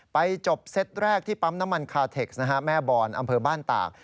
ไปจบเซตแรกที่ปั๊มน้ำมันคาเทคนะฮะแม่บอนอำเภอบ้านตาก